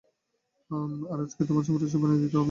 আর আজকে তোমাকে সুপারস্টার বানিয়ে দিতে হবে, তাই না?